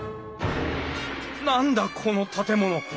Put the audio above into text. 何だこの建物。